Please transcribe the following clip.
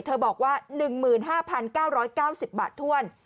บอกว่า๑๕๙๙๐บาทถ้วน